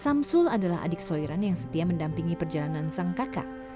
samsul adalah adik soiran yang setia mendampingi perjalanan sang kakak